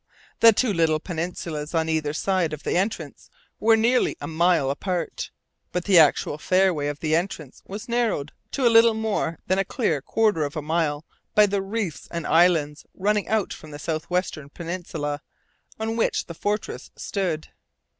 The two little peninsulas on either side of the entrance were nearly a mile apart. But the actual fairway of the entrance was narrowed to little more than a clear quarter of a mile by the reefs and islands running out from the south western peninsula, on which the fortress stood.